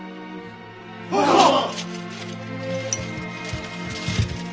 はっ！